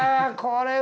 これ。